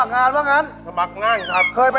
เคยไปตำอดงานที่ไหน